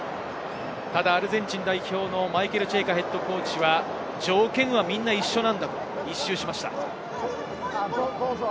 ただアルゼンチン代表のマイケル・チェイカＨＣは、条件はみんな一緒なんだと一蹴しました。